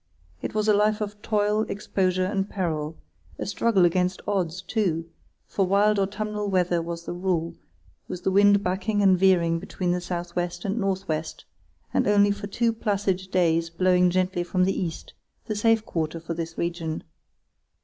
It was a life of toil, exposure, and peril; a struggle against odds, too; for wild autumnal weather was the rule, with the wind backing and veering between the south west and north west, and only for two placid days blowing gently from the east, the safe quarter for this region.